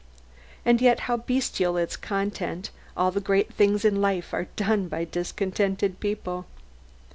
And yet how bestial is content all the great things in life are done by discontented people.